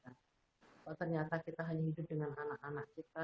kalau ternyata kita hanya hidup dengan anak anak kita